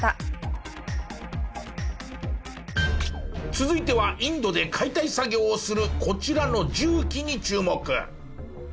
続いてはインドで解体作業をするこちらの重機に注目！